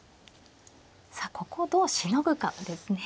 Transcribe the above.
さあここをどうしのぐかですね。